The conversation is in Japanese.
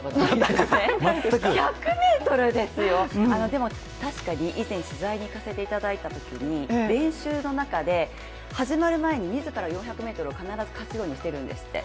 でも確かに、以前取材に行かせていただいたときに練習の中で、始まる前に自ら４００ｍを必ず課すようにしているんですって。